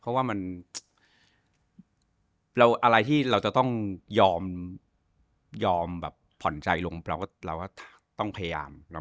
เพราะว่ามันอะไรที่เราจะต้องยอมแบบผ่อนใจลงเราก็ต้องพยายาม